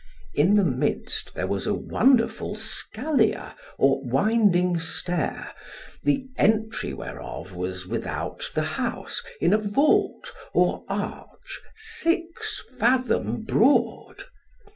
In the midst there was a wonderful scalier or winding stair, the entry whereof was without the house, in a vault or arch six fathom broad.